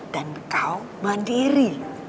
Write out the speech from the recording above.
dan kau mandiri